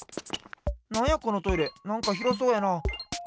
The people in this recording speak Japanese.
なんやこのトイレなんかひろそうやな。